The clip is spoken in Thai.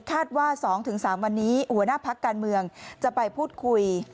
คาดว่าสองถึงสามวันนี้หัวหน้าภักดิ์การเมืองจะไปพูดคุย